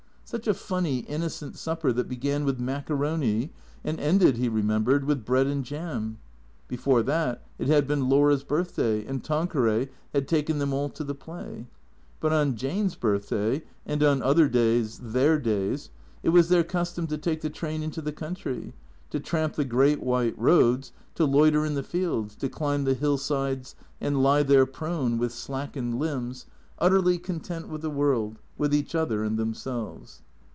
Such a funny, innocent supper that began with maccaroni, and ended, he remembered, with bread and jam. Before that, it had been Laura's birthday, and Tanqueray had taken them all to the play. But on Jane's birthday (and on other days, their days) it was their custom to take the train into the country, to tramp the great white roads, to loiter in the fields, to climb the hillsides and lie there, prone, with slackened THECEEATOES 57 limbs, utterly content with the world, with each other and them selves.